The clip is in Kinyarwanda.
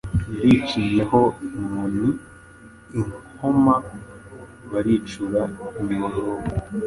Yaricinye ho inkoni I Nkoma baricura imiborogo.